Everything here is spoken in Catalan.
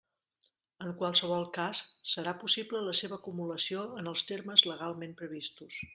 En qualsevol cas serà possible la seva acumulació en els termes legalment previstos.